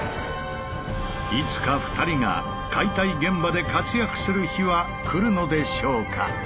いつか２人が解体現場で活躍する日は来るのでしょうか？